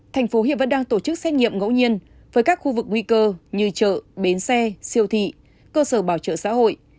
tp hcm vẫn đang tổ chức xét nghiệm ngẫu nhiên với các khu vực nguy cơ như chợ bến xe siêu thị cơ sở bảo trợ xã hội